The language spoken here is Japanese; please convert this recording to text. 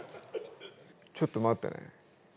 ちょっと待ってね。